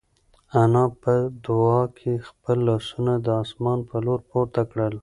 انا په دعا کې خپل لاسونه د اسمان په لور پورته کړل.